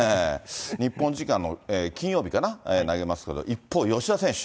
日本時間の金曜日かな、投げますけど、一方、吉田選手。